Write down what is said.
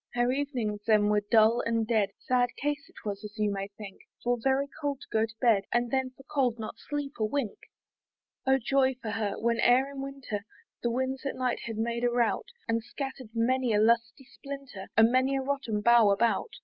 Her evenings then were dull and dead; Sad case it was, as you may think, For very cold to go to bed, And then for cold not sleep a wink. Oh joy for her! when e'er in winter The winds at night had made a rout, And scatter'd many a lusty splinter, And many a rotten bough about.